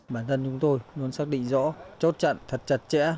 bản thân chúng tôi luôn xác định rõ chốt trận thật chặt chẽ